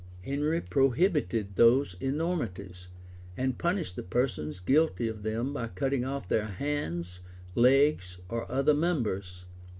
Henry prohibited those enormities, and punished the persons guilty of them by cutting off their hands, legs, or other members.